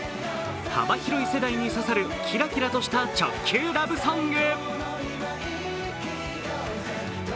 幅広い世代に刺さるキラキラとした直球ラブソング。